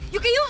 yuk kek yuk